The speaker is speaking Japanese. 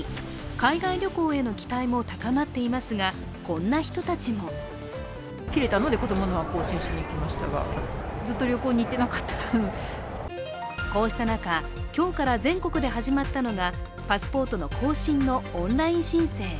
海外旅行への期待も高まっていますが、こんな人たちもこうした中、今日から全国で始まったのがパスポートの更新のオンライン申請。